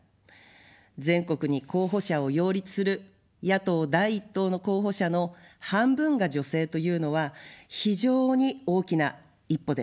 全国に候補者を擁立する野党第１党の候補者の半分が女性というのは非常に大きな一歩です。